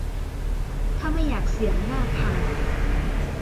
ถ้าไม่อยากเสี่ยงหน้าพัง